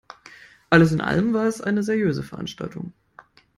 Alles in allem war es eine seriöse Veranstaltung.